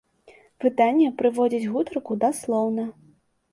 Выданне прыводзіць гутарку даслоўна.